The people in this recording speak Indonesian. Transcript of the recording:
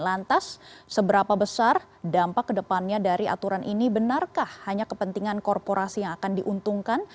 lantas seberapa besar dampak kedepannya dari aturan ini benarkah hanya kepentingan korporasi yang akan diuntungkan